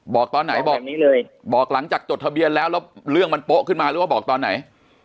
บอกตอนไหนบอกหลังจากจดทะเบียนแล้วแล้วเรื่องมันโป๊ะขึ้นมาหรือว่าบอกตอนไหน